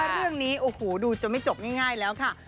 เรื่องนี้ดูจะไม่จบง่ายแล้วค่ะ